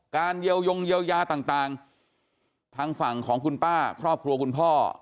เยียวยงเยียวยาต่างทางฝั่งของคุณป้าครอบครัวคุณพ่อ